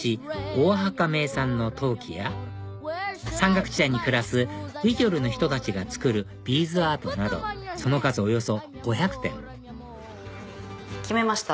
オアハカ名産の陶器や山岳地帯に暮らすウィチョルの人たちが作るビーズアートなどその数およそ５００点決めました